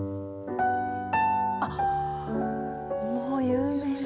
あっもう有名な。